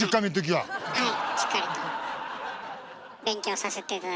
はい。